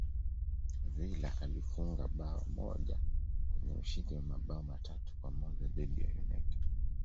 villa alifunga bao moja kwenye ushindi wa mabao matatu kwa moja dhidi ya united